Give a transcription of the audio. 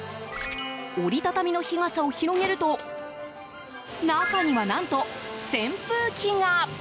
折り畳みの日傘を広げると中には何と扇風機が。